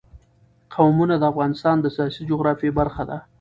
قومونه د افغانستان د سیاسي جغرافیه برخه ده.